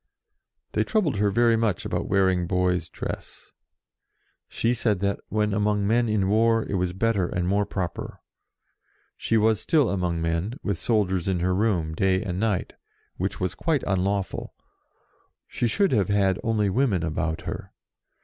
They troubled her very much about wear ing boy's dress. She said that, when among men in war, it was better and more proper. She was still among men, with soldiers in her room, day and night, which was quite unlawful ; she should have had only women about her.